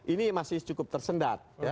ini masih cukup tersendat